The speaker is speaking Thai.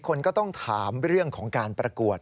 คนก็ต้องถามเรื่องของการประกวด